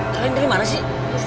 kalian dari mana sih